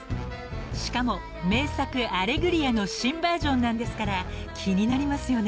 ［しかも名作『アレグリア』の新バージョンなんですから気になりますよね］